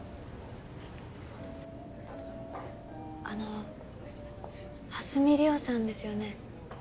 あの蓮見理緒さんですよね